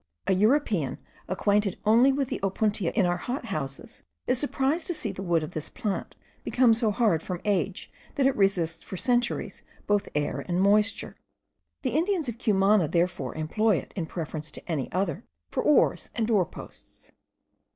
A European acquainted only with the opuntia in our hot houses is surprised to see the wood of this plant become so hard from age, that it resists for centuries both air and moisture: the Indians of Cumana therefore employ it in preference to any other for oars and door posts.